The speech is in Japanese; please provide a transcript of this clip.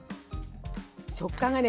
食感がね